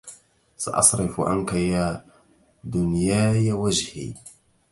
سأصرف عنك يا دنياي وجهي